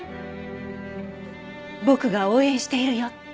僕が応援しているよって。